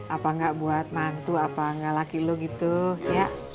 apa enggak buat mantu apa enggak laki lo gitu ya